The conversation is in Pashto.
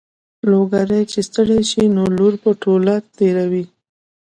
لوګری چې ستړی شي نو لور په لوټه تېروي.